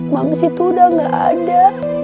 mams itu udah nggak ada